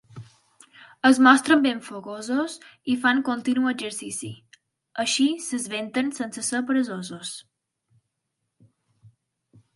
Es mostren ben fogosos i fan continu exercici; així s'esventen sense ser peresosos.